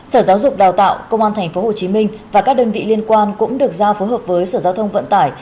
sở giáo dục đào tạo công an tp hcm và các đơn vị liên quan cũng được giao phối hợp với sở giao thông vận tải